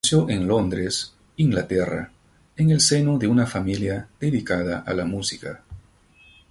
Nació en Londres, Inglaterra, en el seno de una familia dedicada a la música.